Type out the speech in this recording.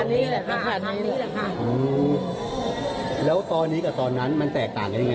นี่แหละค่ะทางนี้แหละค่ะอืมแล้วตอนนี้กับตอนนั้นมันแตกต่างกันยังไง